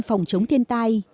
phòng chống thiên tai